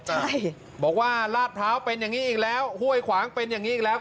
ใช่บอกว่าลาดพร้าวเป็นอย่างนี้อีกแล้วห้วยขวางเป็นอย่างนี้อีกแล้ว